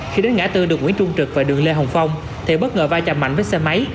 khi đến ngã tư được nguyễn trung trực và đường lê hồng phong thầy bất ngờ vai chạm mạnh với xe máy